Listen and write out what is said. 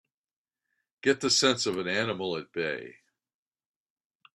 Get the sense of an animal at bay!